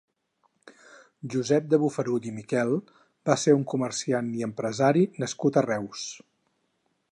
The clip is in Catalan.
Josep de Bofarull i Miquel va ser un comerciant i empresari nascut a Reus.